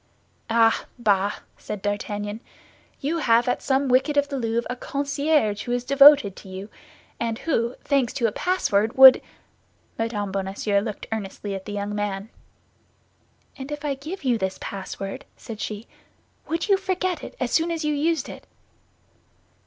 "Ah, bah!" said D'Artagnan; "you have at some wicket of the Louvre a concierge who is devoted to you, and who, thanks to a password, would—" Mme. Bonacieux looked earnestly at the young man. "And if I give you this password," said she, "would you forget it as soon as you used it?"